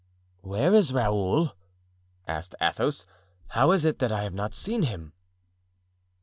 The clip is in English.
"Where is Raoul?" asked Athos; "how is it that I have not seen him?"